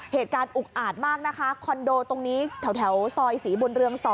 เหตุการณ์อุกอาจมากนะคะคอนโดตรงนี้แถวซอยศรีบุญเรือง๒